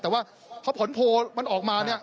แต่ว่าพอผลโพลมันออกมาเนี่ย